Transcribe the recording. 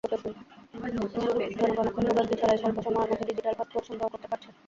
জনগণ এখন ভোগান্তি ছাড়াই স্বল্প সময়ের মধ্যে ডিজিটাল পাসপোর্ট সংগ্রহ করতে পারছে।